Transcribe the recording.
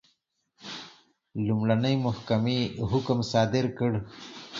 لومړنۍ محکمې حکم صادر کړ.